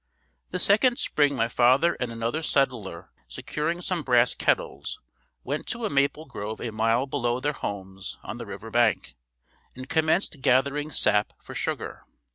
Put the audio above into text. The second spring my father and another settler securing some brass kettles, went to a maple grove a mile below their homes on the river bank and commenced gathering sap for sugar.